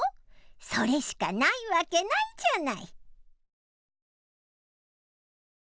それしかないわけないじゃない！